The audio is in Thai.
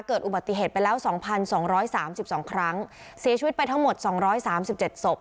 เกิดอุบัติเหตุไปแล้วสองพันสองร้อยสามสิบสองครั้งเสียชีวิตไปทั้งหมดสองร้อยสามสิบเจ็ดศพ